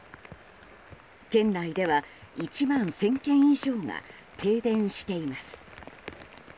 県内では１万１０００軒以上が停電しています。